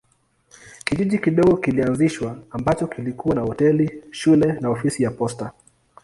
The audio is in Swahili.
Kijiji kidogo kilianzishwa ambacho kilikuwa na hoteli, shule na ofisi ya posta.